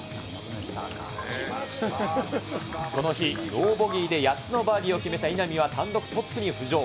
この日ノーボギーで８つのバーディーを決めた稲見は単独トップに浮上。